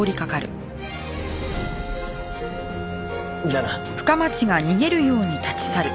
じゃあな。